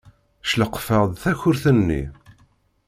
Cleqfeɣ-d takurt-nni.